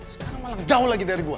sekarang malah jauh lagi dari gue